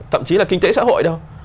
thậm chí là kinh tế xã hội đâu